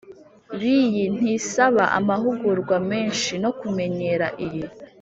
b Iyi ntisaba amahugurwa menshi no kumenyera Iyi